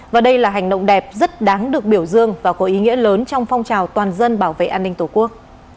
và đây là hành động đẹp rất đáng được biểu dương và có ý nghĩa lớn trong phong trào toàn dân bảo vệ an ninh tổ quốc